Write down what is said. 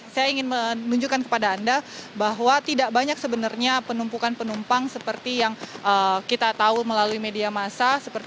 saya ingin menunjukkan kepada anda bahwa tidak banyak sebenarnya penumpukan penumpang seperti yang kita tahu melalui media massa